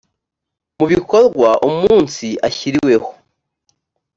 mu bikorwa umunsi ashyiriweho